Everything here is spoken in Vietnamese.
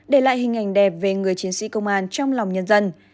để lại hình ảnh đẹp về người chiến sĩ công an trong lòng nhân dân